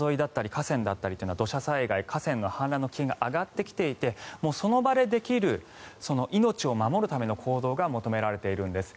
河川だったりは土砂災害、河川の氾濫の危険が上がってきていてその場でできる命を守るための行動が求められているんです。